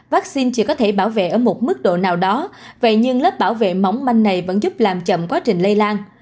vaccine chỉ có thể bảo vệ ở một mức độ nào đó vậy nhưng lớp bảo vệ móng manh này vẫn giúp làm chậm quá trình lây lan